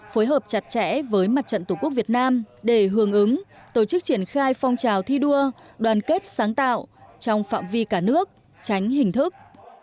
phối hợp chặt chẽ với mặt trận tổ quốc việt nam để hưởng ứng tổ chức triển khai phong trào thi đua đoàn kết sáng tạo trong phạm vi cả nước tránh hình thức